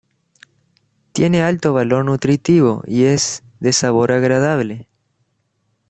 Tiene alto valor nutritivo y es de sabor agradable.